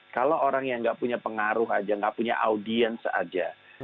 kalau orang yang gak punya pengaruh aja gak punya audience aja